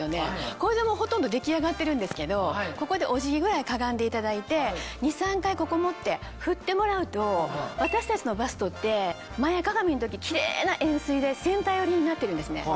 これでもうほとんど出来上がってるんですけどここでお辞儀ぐらいかがんでいただいて２３回ここ持って振ってもらうと私たちのバストって前かがみの時キレイな円すいでセンター寄りになってるんですね。